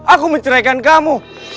aku menceraikan kamu